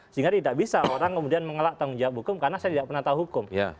sehingga tidak bisa orang kemudian mengelak tanggung jawab hukum karena saya tidak pernah tahu hukum